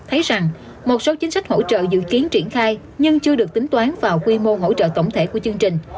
thấy rằng một số chính sách hỗ trợ dự kiến triển khai nhưng chưa được tính toán vào quy mô hỗ trợ tổng thể của chương trình